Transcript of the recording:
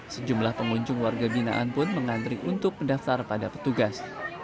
sejumlah pengunjung warga binaan pun mengantri untuk mendaftar pada petugas